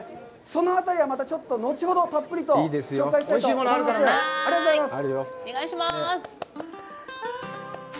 その辺りはまたちょっと後ほどたっぷりと紹介したいと思います。